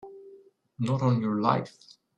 Not on your life!